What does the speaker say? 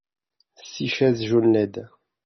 six chaises jaunes laides.